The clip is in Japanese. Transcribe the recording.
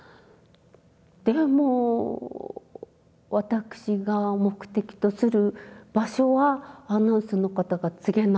でも私が目的とする場所はアナウンスの方が告げない。